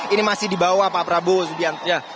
ini masih dibawa pak prabowo sudianto